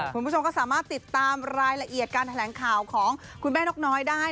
คุณผู้ชมก็สามารถติดตามรายละเอียดการแถลงข่าวของคุณแม่นกน้อยได้